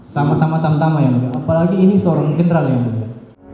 sama sama tamtama ya mulia apalagi ini seorang jenderal ya mulia